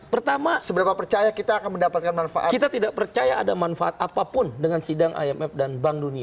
pertama kita tidak percaya ada manfaat apapun dengan sidang imf dan bank dunia